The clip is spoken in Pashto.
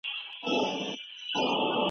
کارخانې څنګه د بازارونو سره اړیکه ساتي؟